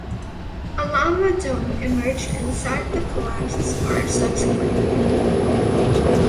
A lava dome emerged inside the collapse scar subsequently.